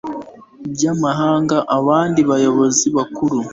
by amahanga abandi bayobozi bakuru